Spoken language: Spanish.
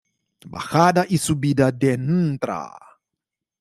Bajada y Subida de Ntra.